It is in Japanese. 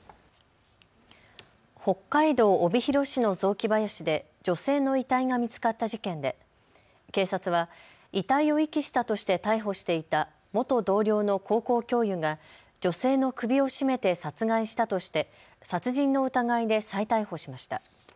北海道帯広市の雑木林で女性の遺体が見つかった事件で警察は遺体を遺棄したとして逮捕していた元同僚の高校教諭が女性の首を絞めて殺害したとして殺人の疑いで再逮捕しました。